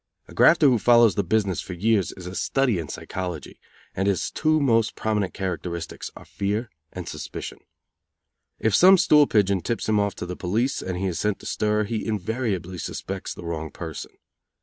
A grafter who follows the business for years is a study in psychology, and his two most prominent characteristics are fear and suspicion. If some stool pigeon tips him off to the police, and he is sent to stir, he invariably suspects the wrong person.